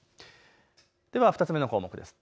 では２つ目の項目です。